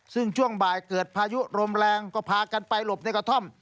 ซึ่งช่วงบ่ายเกิดพายุลมแรงก็พากันไปหลบในกระท่อม